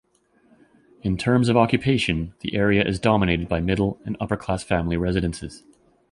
In terms of occupation, the area is dominated by middle and upper-class family residences.